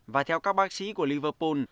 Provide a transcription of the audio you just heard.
và theo các bác sĩ của liverpool